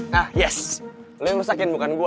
nah yes lu yang rusakin bukan gua